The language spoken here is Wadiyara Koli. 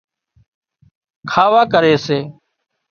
کاوا ڪري سي